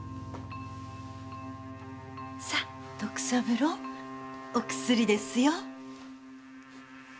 さあ徳三郎お薬ですよ。